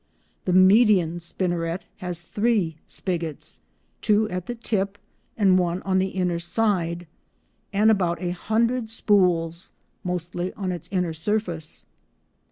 The median spinneret has three spigots, two at the tip and one on the inner side (fig. 12 b), and about a hundred spools, mostly on its inner surface.